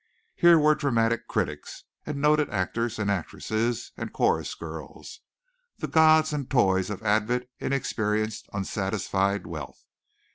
Here were dramatic critics and noted actors and actresses and chorus girls, the gods and toys of avid, inexperienced, unsatisfied wealth.